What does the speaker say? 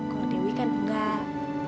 kalau dewi kan enggak